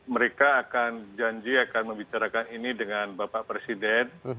mereka akan janji akan membicarakan ini dengan bapak presiden